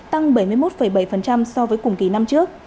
tăng bảy mươi một bảy so với cùng kỳ năm trước